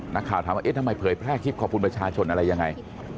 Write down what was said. นักข่าวถามว่าเอ๊ะทำไมเผยแพร่คลิปขอบคุณประชาชนอะไรยังไง